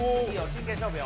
真剣勝負よ・